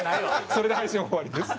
それで配信終わりです。